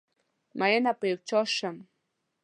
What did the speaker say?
ميېنه په یو چا شم